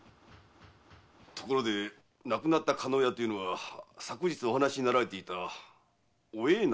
ところで亡くなった加納屋というのは昨日お話になられていたお栄なる女の？